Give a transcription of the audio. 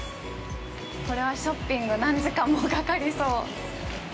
これは、ショッピング、何時間もかかりそう。